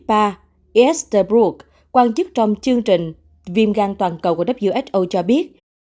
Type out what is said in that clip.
bà esther brooke quan chức trong chương trình viêm gan toàn cầu của who cho biết